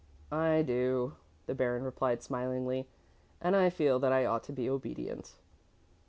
"I do," the Baron replied smilingly, "and I feel that I ought to be obedient."